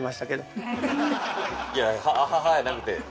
「アハハ」やなくて。